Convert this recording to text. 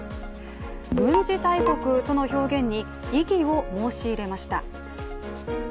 「軍事大国」との表現に、異議を申し入れました。